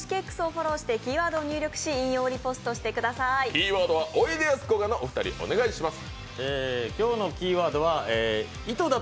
キーワードはおいでやすこがのお二人お願いします。